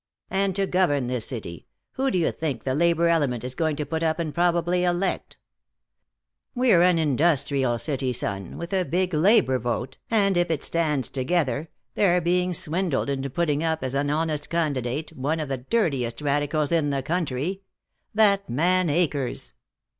"And to govern this city, who do you think the labor element is going to put up and probably elect? We're an industrial city, son, with a big labor vote, and if it stands together they're being swindled into putting up as an honest candidate one of the dirtiest radicals in the country. That man Akers."